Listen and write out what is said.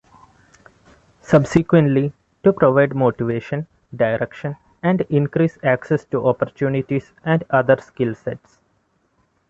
Subsequently, to provide motivation, direction and increase access to opportunities and other skill sets.